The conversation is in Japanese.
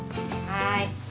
はい。